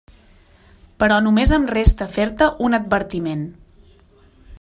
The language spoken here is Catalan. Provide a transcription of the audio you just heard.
Però només em resta fer-te un advertiment.